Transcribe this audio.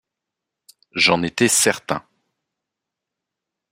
J’en étais certain.